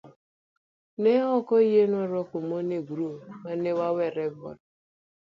ne ok oyienwa rwako mon e grup ma ne wawerego.